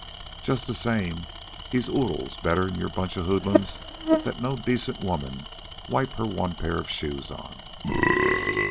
Just the same he's oodles better'n your bunch of hoodlums that no decent woman'd wipe her one pair of shoes on.